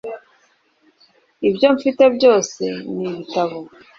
ibyo mfite byose ni ibitabo